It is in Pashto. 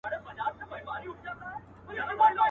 كه هر چا كړ دا گيند پورته زموږ پاچا دئ.